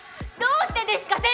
どうしてですか？